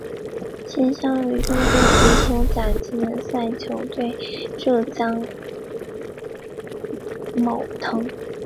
现效力于中国足球甲级联赛球队浙江毅腾。